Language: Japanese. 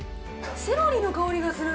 セロリの香りがする。